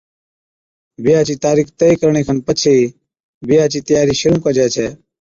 بِيھا چِي تاريخ طئي ڪرڻي کن پڇي بِيھا چِي تياري شرُوع ڪجي ڇَي